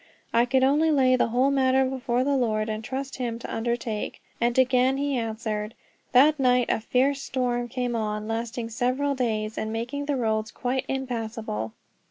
I could only lay the whole matter before the Lord, and trust him to undertake. And again he answered. That night a fierce storm came on, lasting several days and making the roads quite impassable.